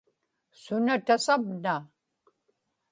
suna tasamna?